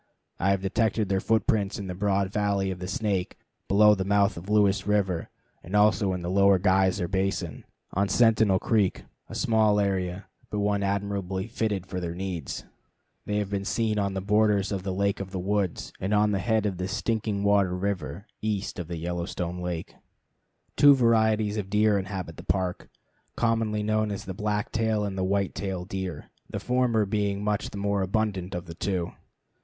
I have detected their footprints in the broad valley of the Snake, below the mouth of Lewis River, and also in the Lower Geyser Basin, on Sentinel Creek, a small area, but one admirably fitted for their needs. They have been seen on the borders of the Lake of the Woods, and on the head of Stinking Water River east of Yellowstone Lake. Two varieties of deer inhabit the Park, commonly known as the black tail and white tail deer, the former being much the more abundant of the two.